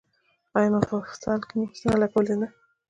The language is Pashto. ایا په مفصل کې مو ستنه لګولې ده؟